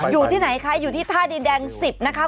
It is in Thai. อยู่ที่ไหนคะอยู่ที่ท่าดินแดง๑๐นะคะ